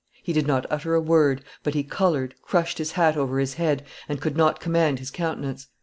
He did not utter a word, but he colored, crushed his hat over his head, and could not command his countenance.